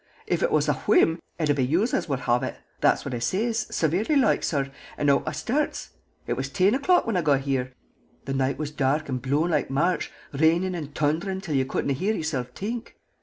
If ut was a phwim, ut'd be youse as would hov' it'; that's what I sez, sevarely loike, sorr, and out I shtarts. It was tin o'clock whin I got here. The noight was dark and blow in' loike March, rainin' and t'underin' till ye couldn't hear yourself t'ink.